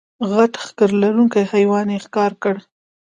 غټ ښکر لرونکی حیوان یې ښکار کړ.